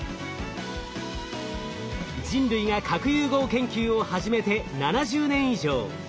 人類が核融合研究を始めて７０年以上。